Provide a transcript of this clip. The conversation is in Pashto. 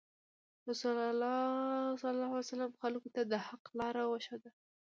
رسول الله خلکو ته د حق لار وښوده.